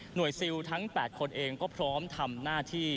ซิลทั้ง๘คนเองก็พร้อมทำหน้าที่